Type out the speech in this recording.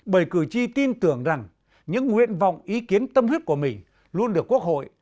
bởi cử tri tin tưởng rằng những nguyện vọng ý kiến tâm huyết của mình luôn được quốc hội